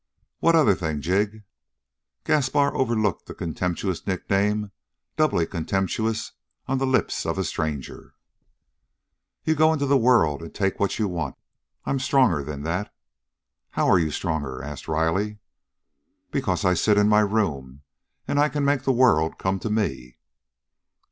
"What other thing, Jig?" Gaspar overlooked the contemptuous nickname, doubly contemptuous on the lips of a stranger. "You go into the world and take what you want. I'm stronger than that." "How are you stronger?" asked Riley. "Because I sit in my room, and I can make the world come to me."